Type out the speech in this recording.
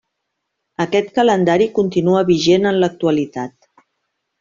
Aquest calendari continua vigent en l'actualitat.